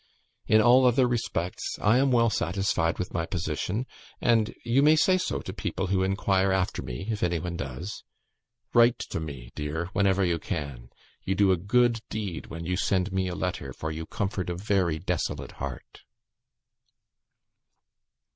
In all other respects I am well satisfied with my position, and you may say so to people who inquire after me (if any one does). Write to me, dear, whenever you can. You do a good deed when you send me a letter, for you comfort a very desolate heart."